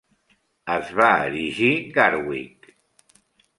Es va erigir Garwick.